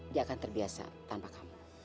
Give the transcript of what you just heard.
dia akan terbiasa tanpa kamu